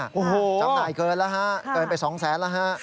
จำหน่ายเกินแล้วฮะเกินไป๒๐๐๐๐๐แล้วฮะ